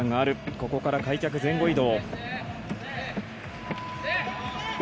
ここから開脚前後移動。